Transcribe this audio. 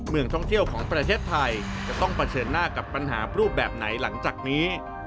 เมืองท่องเที่ยวของประเทศไทยจะต้องเผชิญหน้ากับปัญหารูปแบบไหนหลังจากนี้